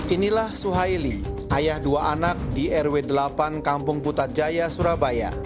inilah suhaily ayah dua anak di rw delapan kampung putrajaya surabaya